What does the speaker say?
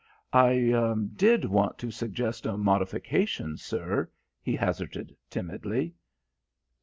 "I did want to suggest a modification, sir," he hazarded timidly.